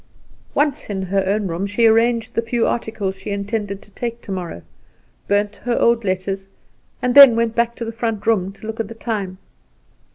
Once in her own room, she arranged the few articles she intended to take tomorrow, burnt her old letters, and then went back to the front room to look at the time.